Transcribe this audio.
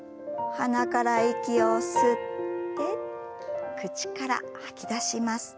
鼻から息を吸って口から吐き出します。